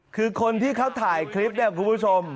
คือคนที่เขาถ่ายคลิปเนี่ยคุณผู้ชม